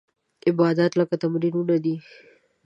عبادتونه لکه تمرینونه دي.